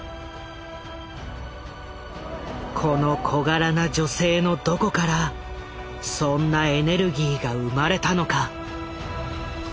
この小柄な女性のどこからそんなエネルギーが生まれたのか。